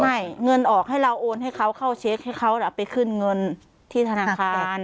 เงินออกให้เราโอนให้เขาเข้าเช็คให้เขาไปขึ้นเงินที่ธนาคาร